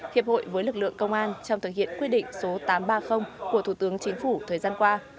hiệp hội với lực lượng công an trong thực hiện quy định số tám trăm ba mươi của thủ tướng chính phủ thời gian qua